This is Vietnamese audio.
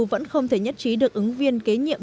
vẫn không thể nhất trí được ứng viên kế nhiệm